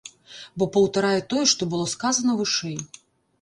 Бо паўтарае тое, што было сказана вышэй.